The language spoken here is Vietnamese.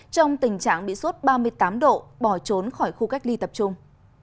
trong tình trạng bị sốt ba mươi tám độ bỏ trốn khỏi khu cách ly tập trung